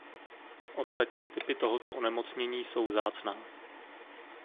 Ostatní typy tohoto onemocnění jsou vzácná.